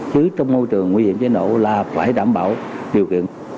chứ trong môi trường nguy hiểm cháy nổ là phải đảm bảo điều kiện